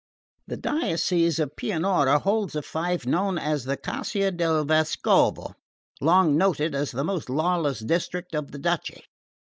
The diocese of Pianura holds a fief known as the Caccia del Vescovo, long noted as the most lawless district of the duchy.